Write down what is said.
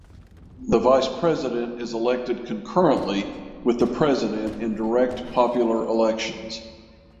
The vice president is elected concurrently with the president in direct popular elections.